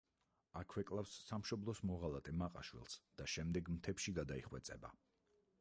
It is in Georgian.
აქვე კლავს სამშობლოს მოღალატე მაყაშვილს და შემდეგ მთებში გადაიხვეწება.